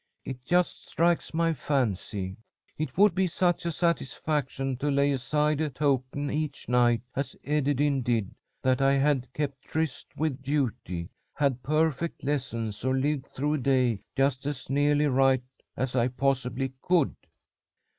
It just strikes my fancy. It would be such a satisfaction to lay aside a token each night, as Ederyn did, that I had kept tryst with duty, had perfect lessons, or lived through a day just as nearly right as I possibly could."